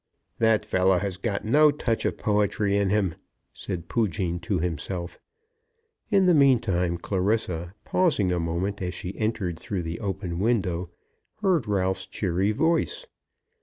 "That fellow has got no touch of poetry in him!" said Poojean to himself. In the meantime Clarissa, pausing a moment as she entered through the open window, heard Ralph's cheery voice.